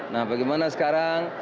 nah bagaimana sekarang